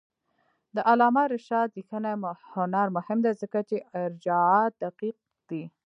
د علامه رشاد لیکنی هنر مهم دی ځکه چې ارجاعات دقیق دي.